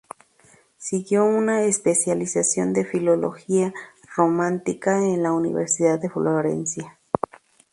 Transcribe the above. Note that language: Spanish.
Siguió una especialización de filología románica en la Universidad de Florencia.